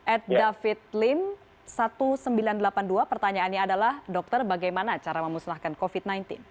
at david lim seribu sembilan ratus delapan puluh dua pertanyaannya adalah dokter bagaimana cara memusnahkan covid sembilan belas